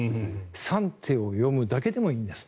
３手を読むだけでもいいんです。